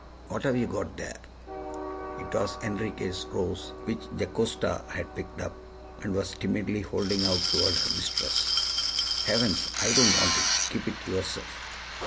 what have you got there?" It was Enriquez' rose which Jocasta had picked up, and was timidly holding out toward her mistress. "Heavens! I don't want it. Keep it yourself."